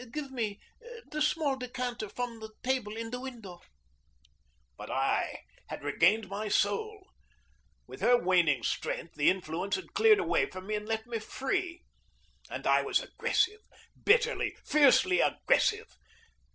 Give me the small decanter from the table in the window." But I had regained my soul. With her waning strength the influence had cleared away from me and left me free. And I was aggressive bitterly, fiercely aggressive.